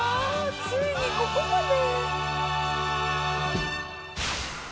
ついにここまで。